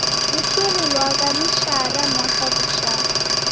W'ichurilwagha mishara mwaka ghuchaa.